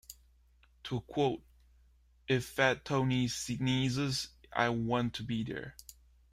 To quote: If Fat Tony sneezes, I want to be there.